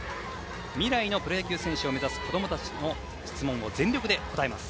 未来のプロ野球選手を目指す子供たちの質問を全力で答えます。